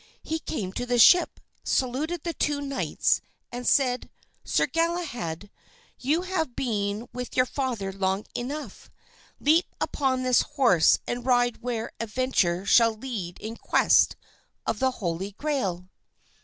He came to the ship, saluted the two knights and said, "Sir Galahad, you have been with your father long enough; leap upon this horse and ride where adventure shall lead in quest of the Holy Grail."